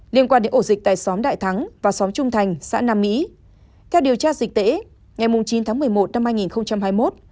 liên quan đến ổ dịch tại xóm đại thắng và xóm trung thành xã nam mỹ theo điều tra dịch tễ ngày chín tháng một mươi một năm hai nghìn hai mươi một